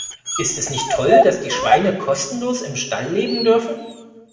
Ist es nicht toll, dass die Schweine kostenlos im Stall leben dürfen?